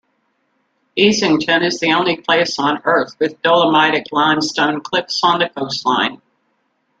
Easington is the only place on earth with dolomitic limestone cliffs on the coastline.